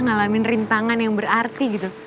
ngalamin rintangan yang berarti gitu